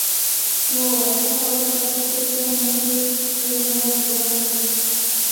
ما وویل ښه خبره ده خو فکر کوم ماتې به زما په برخه وي.